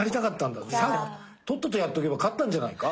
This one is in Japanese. とっととやっとけば勝ったんじゃないか？